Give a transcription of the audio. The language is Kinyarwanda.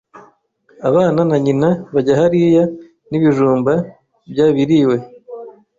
abana na nyina bajya hariya n'ibijumba byabiriwe.